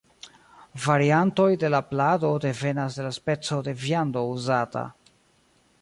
Variantoj de la plado devenas de la speco de viando uzata.